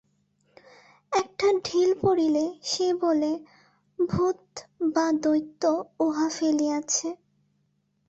একটা ঢিল পড়িলে সে বলে, ভূত বা দৈত উহা ফেলিয়াছে।